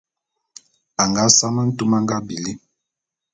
A nga same ntume a nga bili.